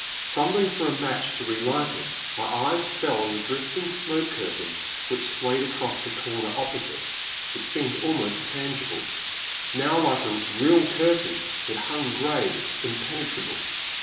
Fumbling for a match to relight it, my eyes fell on the drifting smoke curtain, which swayed across the comer opposite. It seemed almost tangible. How like a real curtain it hung, grey, impenetrable.